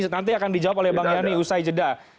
nanti akan dijawab oleh bang yani usai jeda